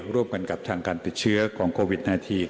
ร่วมกันกับทางการติดเชื้อของโควิด๑๙